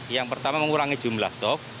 yang pertama mengurangi jumlah stok